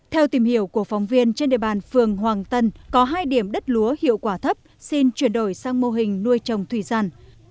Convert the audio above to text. theo tìm hiểu của phóng viên trên địa bàn phường hoàng tân có hai điểm đất lúa hiệu quả thấp xin chuyển đổi sang mô hình nuôi trồng thủy sản